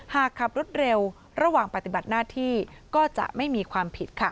หากขับรถเร็วระหว่างปฏิบัติหน้าที่ก็จะไม่มีความผิดค่ะ